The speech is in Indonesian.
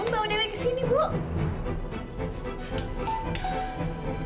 i tournament ini ke angin terbaru iron